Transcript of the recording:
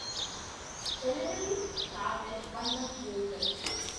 Deliveries started one month later.